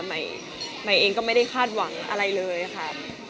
ใหม่เองก็ไม่ได้คาดหวังอะไรเลยค่ะ